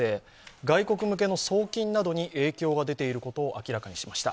外国向けの送金などに影響が出ていることを明らかにしました。